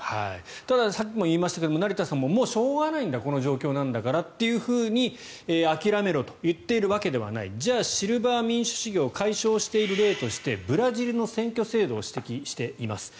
たださっきも言いましたが成田さんはもうしょうがないんだこの状況なんだからと諦めろと言っているわけではないじゃあ、シルバー民主主義を解消している例としてブラジルの選挙制度を指摘しています。